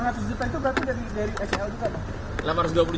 yang delapan ratus juta itu berarti dari sl juga bang